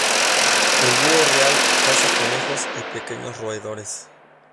El búho real caza conejos y pequeños roedores.